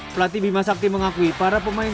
pelatih bima sakti mengakui para pemain